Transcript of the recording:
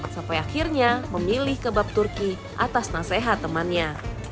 sampai akhirnya memilih kebab turki atas nasihat temannya